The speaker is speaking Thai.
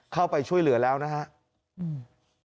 เข้าไปช่วยเหลือแล้วนะครับ